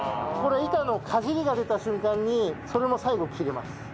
これ板のかじりが出た瞬間にそれも最後切れます。